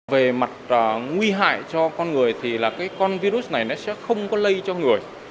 về mặt nguy hại cho con người thì là cái con virus này sẽ không có lây cho người